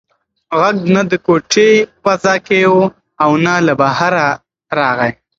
غږ نه د کوټې په فضا کې و او نه له بهره راغی.